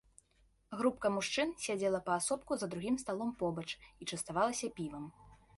Групка мужчын сядзела паасобку за другім сталом побач і частавалася півам.